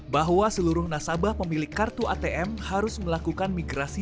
bahwa seluruh nasabah pemilik kartu atm harus melakukan migrasi